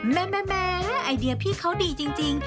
แม่ไอเดียพี่เขาดีจริง